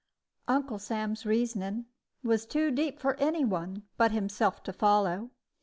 Uncle Sam's reasoning was too deep for any but himself to follow.